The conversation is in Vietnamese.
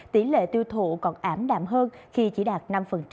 tỷ lệ tiêu thụ còn ảm đạm hơn khi chỉ đạt năm